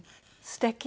すてき。